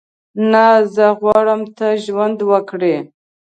نه، زه غواړم ته ژوند وکړې.